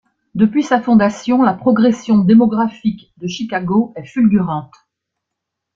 Depuis sa fondation, la progression démographique de Chicago est fulgurante.